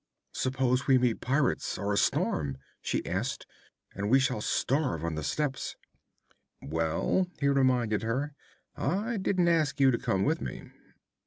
'Suppose we meet pirates, or a storm?' she asked. 'And we shall starve on the steppes.' 'Well,' he reminded her, 'I didn't ask you to come with me.'